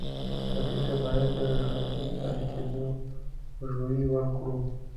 ټپي ته باید د ژوندي پاتې کېدو خوشبويي ورکړو.